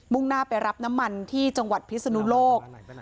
่งหน้าไปรับน้ำมันที่จังหวัดพิศนุโลก